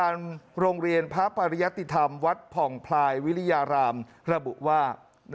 โรงเรียนพระปริยติธรรมวัดผ่องพลายวิริยารามระบุว่า